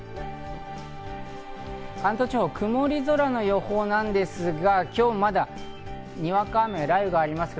関東地方、曇り空の予報なんですが、今日、にわか雨や雷雨があります。